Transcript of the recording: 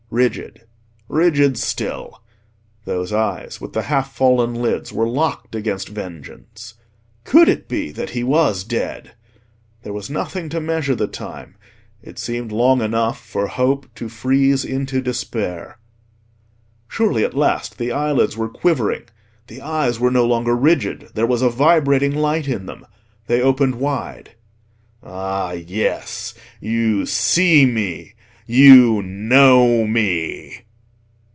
Rigid—rigid still. Those eyes with the half fallen lids were locked against vengeance. Could it be that he was dead? There was nothing to measure the time: it seemed long enough for hope to freeze into despair. Surely at last the eyelids were quivering: the eyes were no longer rigid. There was a vibrating light in them; they opened wide. "Ah, yes! You see me—you know me!"